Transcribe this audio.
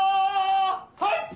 はい！